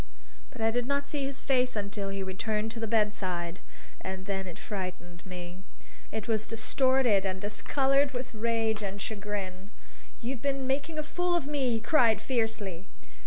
But I did not see his face until he returned to the bedside. And then it frightened me. It was distorted and discolored with rage and chagrin. "You've been making a fool of me!" he cried fiercely.